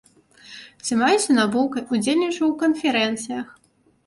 Займаюся навукай, удзельнічаю ў канферэнцыях.